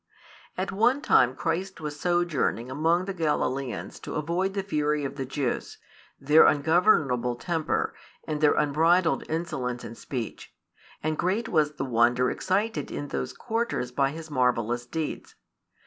At one time Christ was sojourning among the Galilaeans to avoid the fury of the Jews, their ungovernable temper, and their unbridled insolence in speech; and great was the wonder excited in those quarters by His marvellous deeds.